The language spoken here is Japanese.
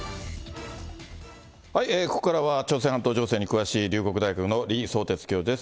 ここからは朝鮮半島情勢に詳しい、龍谷大学の李相哲教授です。